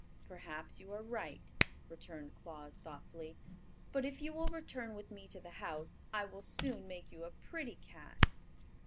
"Perhaps you are right," returned Claus, thoughtfully. "But if you will return with me to the house I will soon make you a pretty cat."